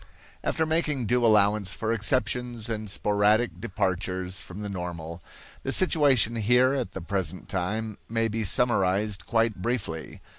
After making due allowance for exceptions and sporadic departures from the normal, the situation here at the present time may be summarized quite briefly.